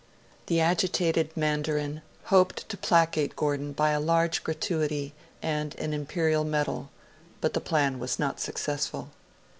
The agitated Mandarin hoped to placate Gordon by a large gratuity and an Imperial medal; but the plan was not successful.